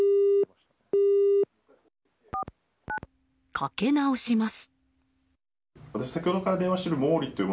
かけ直します。